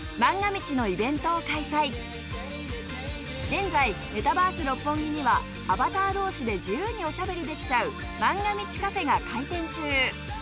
現在メタバース六本木にはアバター同士で自由におしゃべりできちゃう『まんが未知』カフェが開店中。